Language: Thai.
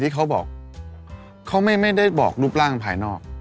แต่เค้าไม่ได้บอกรูปร่างภายนอก